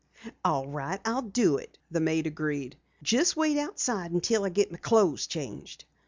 "All right, I'll do it," the maid agreed. "Just wait outside until I get my clothes changed."